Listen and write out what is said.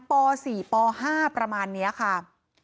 ป๔ป๕ประมาณนี้ค่ะ